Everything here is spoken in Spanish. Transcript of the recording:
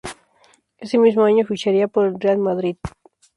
Ese mismo año ficharía por el Real Madrid.